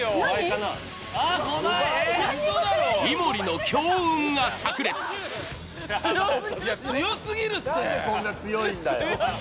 なんでこんな強いんだよ。